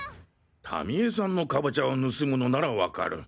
タミ江さんのカボチャを盗むのならわかる。